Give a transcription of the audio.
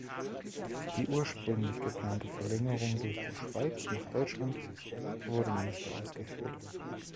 Die ursprünglich geplante Verlängerung durch die Schweiz nach Deutschland wurde nicht ausgeführt.